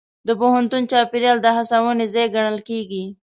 د پوهنتون چاپېریال د هڅونې ځای ګڼل کېږي.